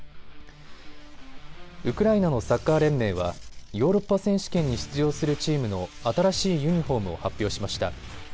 ウクライナのサッカー連盟はヨーロッパ選手権に出場するチームの新しいユニフォームを発表しました。